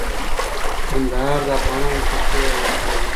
کندهار د افغانانو د تفریح یوه وسیله ده.